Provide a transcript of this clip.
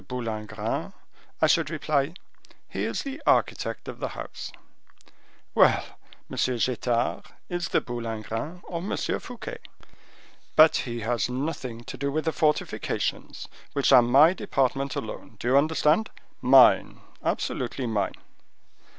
Boulingrin?' I should reply: 'He is the architect of the house.' Well! M. Getard is the Boulingrin of M. Fouquet. But he has nothing to do with the fortifications, which are my department alone; do you understand? mine, absolutely mine."